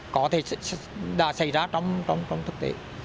có thể đã xảy ra trong thực tế